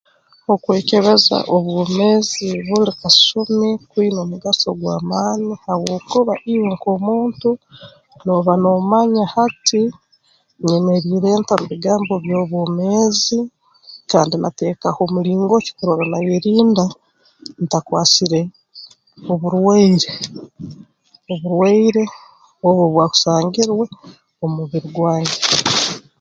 Okwekebeza obwomeezi buli kasumi kwine omugaso gw'amaani habwokuba iwe nk'omuntu nooba noomanya hati nyemeriire nta mu bigambo by'obwomeezi kandi nateekaho mulingo ki kurora nayerinda ntakwasire oburwaire oburwaire obu obwakusangirwe omu mubiri gwange